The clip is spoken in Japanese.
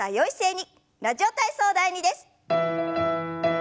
「ラジオ体操第２」です。